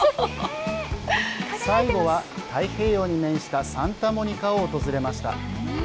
最後は太平洋に面したサンタモニカを訪れました。